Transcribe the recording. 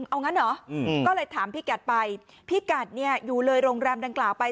เอางั้นเหรอก็เลยถามพี่กัดไปพี่กัดเนี่ยอยู่เลยโรงแรมดังกล่าวไป